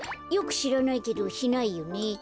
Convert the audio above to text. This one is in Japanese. よくしらないけどしないよね。